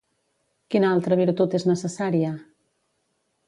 Quina altra virtut és necessària?